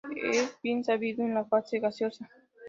Es bien sabido en la fase gaseosa.